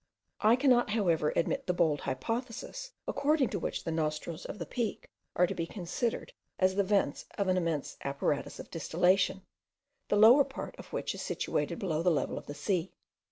I cannot, however, admit the bold hypothesis, according to which the Nostrils of the Peak are to be considered as the vents of an immense apparatus of distillation, the lower part of which is situated below the level of the sea.